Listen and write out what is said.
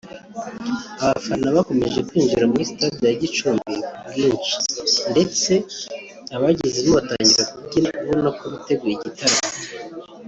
Abafana bakomeje kwinjira muri Stade ya Gicumbi ku bwinshi ndetse abagezemo batangiye kubyina ubona ko biteguye igitaramo